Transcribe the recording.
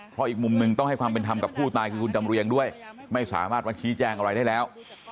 เพราะอีกมุมหนึ่งต้องให้ความเป็นธรรมกับผู้ตายคือคุณจำเรียงด้วยไม่สามารถมาชี้แจงอะไรได้แล้ว